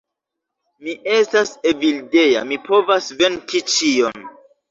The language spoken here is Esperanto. Mi estas Evildea, mi povas venki ĉion.